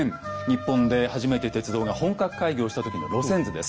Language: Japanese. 日本で初めて鉄道が本格開業した時の路線図です。